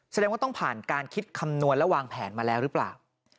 แสดงว่าต้องผ่านการคิดคำนวณและวางแผนมาแล้วหรือเปล่า